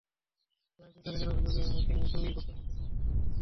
জায়েদুল জলিলের অভিযোগ, তিনি দুই পক্ষের মধ্যে সমঝোতা করার চেষ্টা করছিলেন।